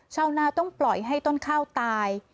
ชาวนาต้องปล่อยให้ต้นข้าวตาย